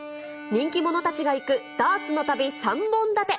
人気者たちが行くダーツの旅３本立て。